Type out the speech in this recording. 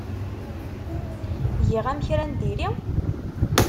Giɣ-am kra n diri?